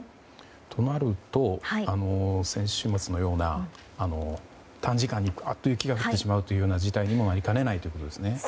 となると、先週末のような短時間にバッと雪が降ってしまうような事態にもなりかねないということですね。